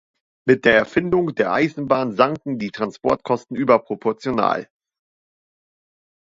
Mit der Erfindung der Eisenbahn sanken die Transportkosten überproportional.